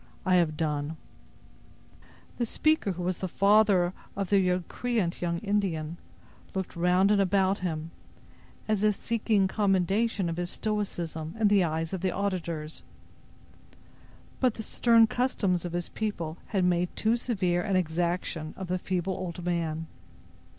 I have done." The speaker, who was the father of the recreant young Indian, looked round and about him, as if seeking commendation of his stoicism in the eyes of the auditors. But the stern customs of his people had made too severe an exaction of the feeble old man.